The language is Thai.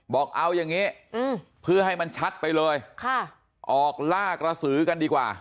บอกเอาอย่างนี้เพื่อให้มันชัดไปเลยออกล่ากระสือกันดีกว่า